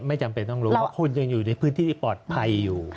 จำเป็นต้องรู้เพราะคุณยังอยู่ในพื้นที่ที่ปลอดภัยอยู่